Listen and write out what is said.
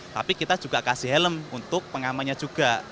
tapi kita juga kasih helm untuk pengamannya juga